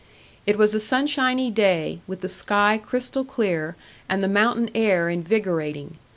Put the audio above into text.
It was a sunshiny day, with the sky crystal clear, and the mountain air invigourating.